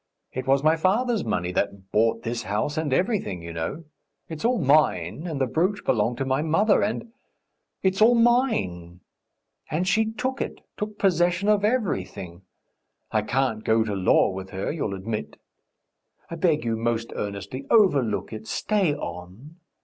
It was my father's money that bought this house and everything, you know! It's all mine, and the brooch belonged to my mother, and ... it's all mine! And she took it, took possession of everything.... I can't go to law with her, you'll admit.... I beg you most earnestly, overlook it ... stay on.